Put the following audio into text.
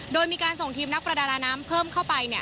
โดยมีการส่งทีมนักประดาน้ำเพิ่มเข้าไป